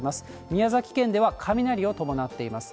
宮崎県では雷を伴っています。